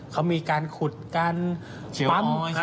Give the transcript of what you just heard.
เขามีการขุดการปั๊ม